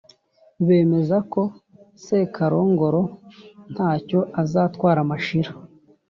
bemeza ko sekarongoro ntacyo azatwara mashira.